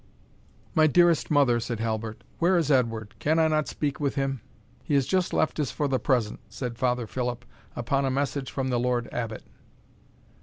"My dearest mother," said Halbert, "where is Edward can I not speak with him?" "He has just left us for the present," said Father Philip, "upon a message from the Lord Abbot."